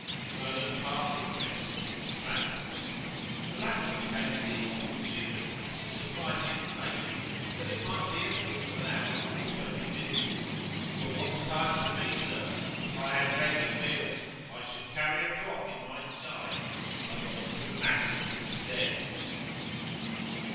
Vernon partly addressed Mr. Tramp. The latter became seized with shivers as he supplied the information that it might be a quarter of an hour or twenty minutes. "But what's time to me, sir? If I had reglar meals, I should carry a clock in my inside. I got the rheumatics instead."